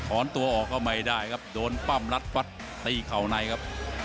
ถอนตัวออกก็ไม่ได้ครับโดนปั้มรัดฟัดตีเข่าในครับ